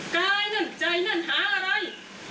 กายนั่นใจนั่นหาอะไร